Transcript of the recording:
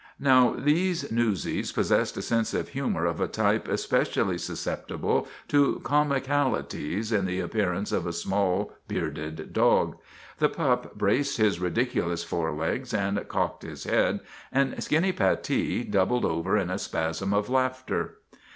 Now these newsies possessed a sense of humor of a type especially susceptible to comicalities in the appearance of a small, bearded dog. The pup braced his ridiculous forelegs and cocked his head, and Skinny Pattee doubled over in a spasm of laughter.